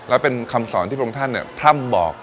แล้วเป็นคำสอนที่พระองค์ท่านพร่ำบอก